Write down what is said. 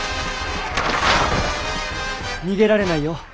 逃げられないよ。